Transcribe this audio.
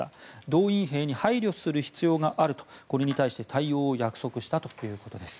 動員兵に配慮する必要があるとこれに対して対応を約束したということです。